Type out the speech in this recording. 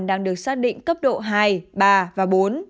đang được xác định cấp độ hai ba và bốn